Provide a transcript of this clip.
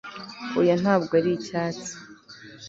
oya ntabwo ari icyatsi